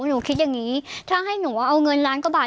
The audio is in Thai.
หนูคิดอย่างนี้ถ้าให้หนูว่าเอาเงินล้านกว่าบาท